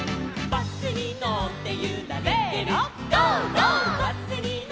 「バスにのってゆられてるゴー！